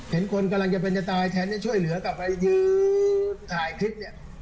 เห็นคนกำลังจะเป็นจะตายแท้ช่วยเหลือกลับไปถ่ายคลิป